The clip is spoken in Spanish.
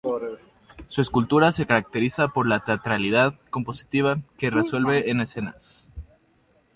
Su escultura se caracteriza por la teatralidad compositiva, que resuelve en escenas.